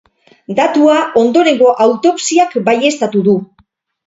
Datua ondorengo autopsiak baieztatu du.